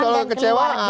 bukan soal kekecewaan